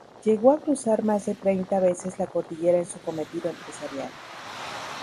Llegó a cruzar más de treinta veces la cordillera en su cometido empresarial.